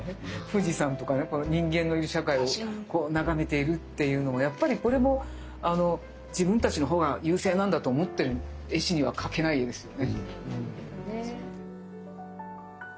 富士山とか人間のいる社会を眺めているっていうのもやっぱりこれも自分たちのほうが優勢なんだと思ってる絵師には描けないですよね。